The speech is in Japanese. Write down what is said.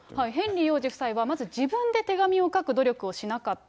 ヘンリー王子はまず自分で手紙を書く努力をしなかった。